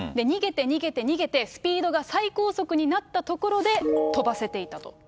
逃げて逃げて逃げて、スピードが最高速になったところで跳ばせていたと。